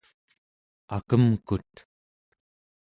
akemkut